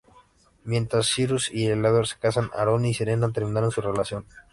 Mientras que Cyrus y Eleanor se casan; Aaron y Serena terminan su relación.